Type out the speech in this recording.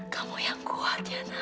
kamu yang kuat ya nak